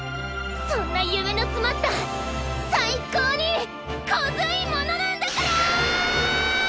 そんなゆめのつまったさいこうにコズいものなんだから！